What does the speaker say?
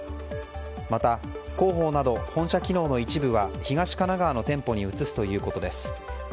また、広報など本社機能の一部は東神奈川の店舗に移すということです。